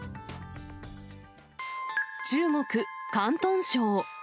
中国・広東省。